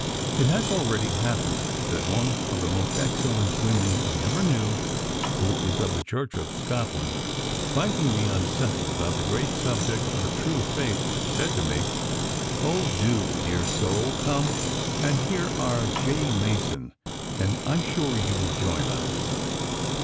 "It has already happened that one of the most excellent women I ever knew, who is of the Church of Scotland, finding me unsettled about the great object of a true faith, said to me: 'Oh, do, dear soul, come and hear our J. Mason and I am sure you will join us.